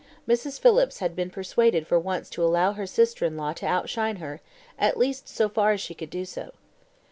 Mrs. Phillips had been persuaded for once to allow her sister in law to outshine her, at least so far as she could do so.